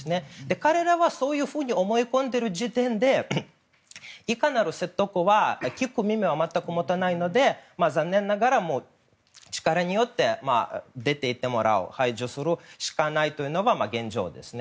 彼らがそういうふうに思い込んでいる時点でいかなる説得は聞く耳は全く持たないので残念ながら、力によって出て行ってもらう排除するしかないというのが現状ですね。